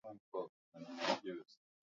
Jirani yangu anapenda kunywa pombe